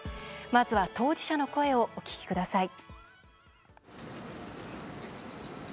まずは、当事者の声をお聞きください。